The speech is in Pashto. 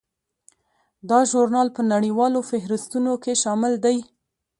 دا ژورنال په نړیوالو فهرستونو کې شامل دی.